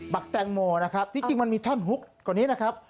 แตงโมนะครับที่จริงมันมีท่อนฮุกกว่านี้นะครับ